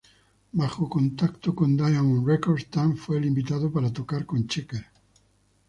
Bajo contrato con "Diamond Records", Tang fue el invitado para tocar con Checker.